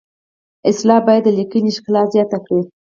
اصطلاح باید د لیکنې ښکلا زیاته کړي